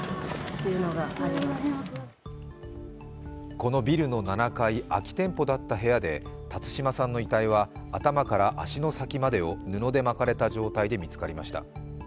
このビルの７階、空き店舗だった部屋で辰島さんの遺体は頭から足の先までを布で巻かれた状態で見つかりました。